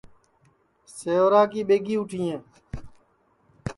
سیورا کی ٻیگی اُٹھیں